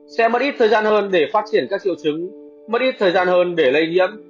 sẽ mất ít thời gian hơn để phát triển các triệu chứng mất ít thời gian hơn để lây nhiễm